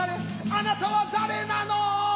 あなたは誰なの？